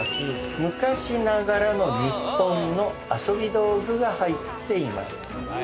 昔ながらの日本の遊び道具が入っています。